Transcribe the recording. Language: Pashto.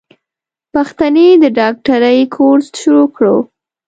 پښتنې د ډاکټرۍ کورس شروع کړو.